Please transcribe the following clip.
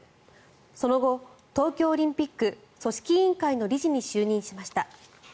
その後東京オリンピック組織委員会の理事に就任しました。